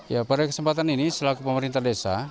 ya pada kesempatan ini selaku pemerintah desa